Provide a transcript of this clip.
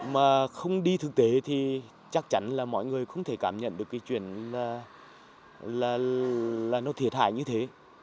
mà không đi thực tế thì chắc chắn là mọi người không thể cảm nhận được cái chuyện là nó thiệt hại như thế